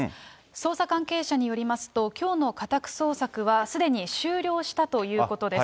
捜査関係者によりますと、きょうの家宅捜索は、すでに終了したということです。